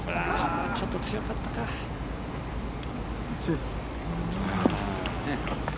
ちょっと強かったか。